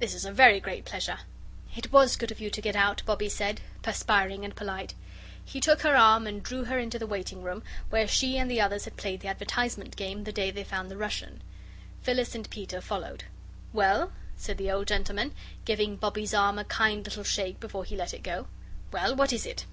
"This is a very great pleasure." "It WAS good of you to get out," Bobbie said, perspiring and polite. He took her arm and drew her into the waiting room where she and the others had played the advertisement game the day they found the Russian. Phyllis and Peter followed. "Well?" said the old gentleman, giving Bobbie's arm a kind little shake before he let it go. "Well? What is it?"